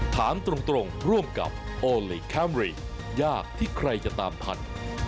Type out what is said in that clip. ถามตรงร่วมกับโอลี่คัมรี่ยากที่ใครจะตามทัน